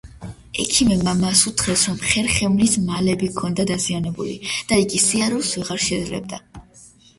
ექიმებმა მას უთხრეს რომ ხერხემლის მალები ჰქონდა დაზიანებული და იგი სიარულს ვეღარ შეძლებდა.